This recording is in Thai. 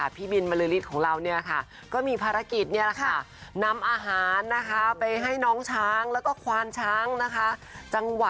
พี่บินมาเราฤีทของเราก็มีภารกิจนำอาหาร